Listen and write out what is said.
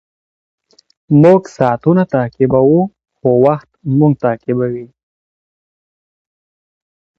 مېلمه ته په پراخه ټنډه ښه راغلاست ووایئ.